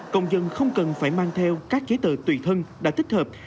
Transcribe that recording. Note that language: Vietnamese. công dân không cần phải mang theo các giấy tờ tùy thân đã tích hợp